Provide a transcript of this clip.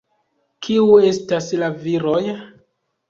Kiu estas la viroj?